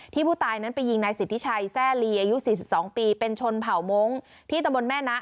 ที่ผู้ตายนั้นไปยิงนายศิษฐิชัยแซ่ลีอายุ๔๒ปีเป็นชนผ่าวโมงที่ตะบนแม่น้า